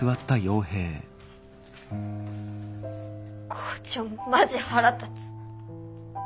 校長マジ腹立つ。